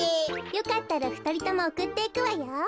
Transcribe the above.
よかったらふたりともおくっていくわよ。